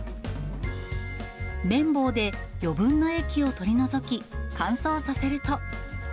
綿棒で余分な液を取り除き、乾燥させると。